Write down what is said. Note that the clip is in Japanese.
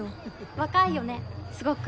若いよねすごく。